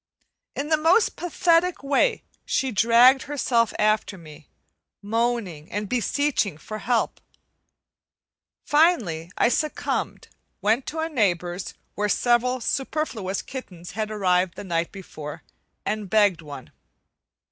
In the most pathetic way she dragged herself after me, moaning and beseeching for help. Finally, I succumbed, went to a neighbor's where several superfluous kittens had arrived the night before, and begged one.